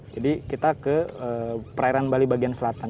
kita ke perairan bali bagian selatan